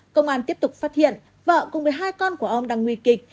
công an tiếp tục phát hiện vợ cùng với hai con của ông đang nguy kịch